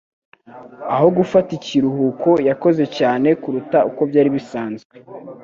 Aho gufata ikiruhuko, yakoze cyane kuruta uko byari bisanzwe.